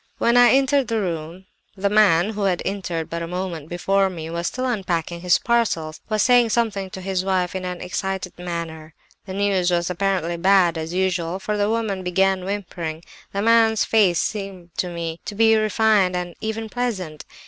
When I entered the room, the man, who had entered but a moment before me, and was still unpacking his parcels, was saying something to his wife in an excited manner. The news was apparently bad, as usual, for the woman began whimpering. The man's face seemed to me to be refined and even pleasant.